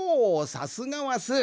さすがはスー。